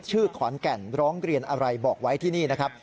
ขอนแก่นร้องเรียนอะไรบอกไว้ที่นี่นะครับ